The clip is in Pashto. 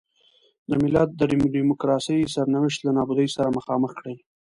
د ملت د ډیموکراسۍ سرنوشت له نابودۍ سره مخامخ کړي.